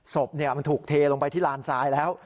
ศพมันถูกเทลงไปที่ลานทรายแล้ว